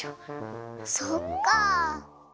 そっか。